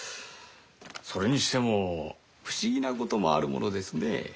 それにしても不思議なこともあるものですね。